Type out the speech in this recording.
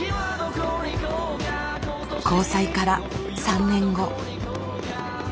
交際から３年後。